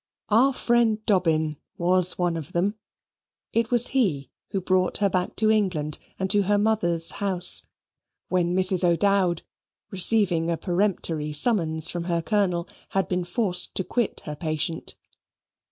Our friend Dobbin was one of them. It was he who brought her back to England and to her mother's house; when Mrs. O'Dowd, receiving a peremptory summons from her Colonel, had been forced to quit her patient.